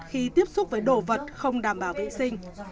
khi tiếp xúc với đổ vật không đảm bảo vệ sinh